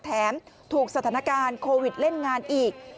แถมถูกสถานการณ์โควิดเล่นงานอีก